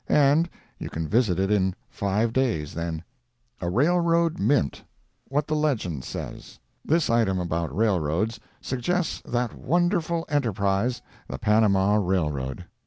And you can visit it in five days then. A Railroad Mint—What the Legend Says This item about railroads suggests that wonderful enterprise, the Panama railroad.